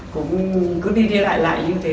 cũng cứ đi đi lại lại như thế